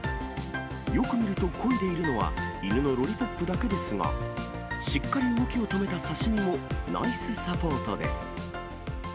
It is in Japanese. よく見るとこいでいるのは犬のロリポップだけですが、しっかり動きを止めたサシミもナイスサポートです。